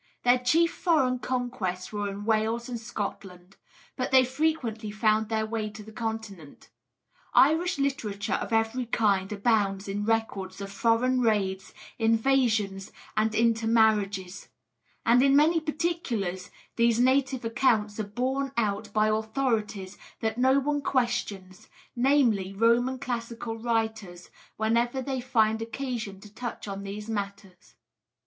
Their chief foreign conquests were in Wales and Scotland; but they frequently found their way to the Continent. Irish literature of every kind abounds in records of foreign raids, invasions, and inter marriages; and in many particulars these native accounts are borne out by authorities that no one questions, namely, Roman classical writers, whenever they find occasion to touch on these matters.